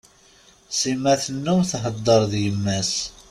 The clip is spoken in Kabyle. Sima tennum thedder d yemma-s.